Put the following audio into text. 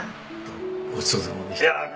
ごちそうさまでした。